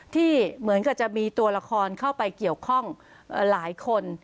ที่เหมือนกับจะมีตัวละครเข้าไปเกี่ยวข้องหลายคน